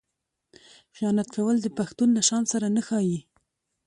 خیانت کول د پښتون له شان سره نه ښايي.